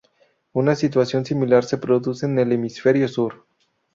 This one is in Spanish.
Una situación similar se produce en el Hemisferio Sur.